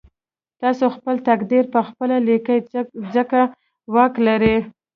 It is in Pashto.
تاسې خپل تقدير پخپله ليکئ ځکه واک لرئ.